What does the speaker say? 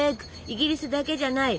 イギリスだけじゃない。